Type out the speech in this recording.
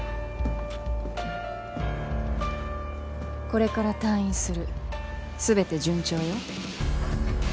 「これから退院するすべて順調よ」。